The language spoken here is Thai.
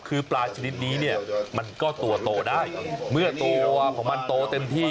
คือปลาชนิดนี้เนี่ยมันก็ตัวโตได้เมื่อตัวของมันโตเต็มที่